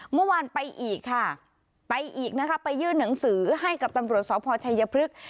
เมื่อวานไปอีกค่ะไปอีกนะคะไปยื่นหนังสือให้กับตำรวจสพชัยพฤกษ์